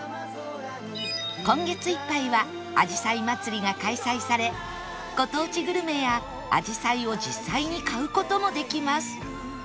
今月いっぱいはあじさい祭が開催されご当地グルメやあじさいを実際に買う事もできます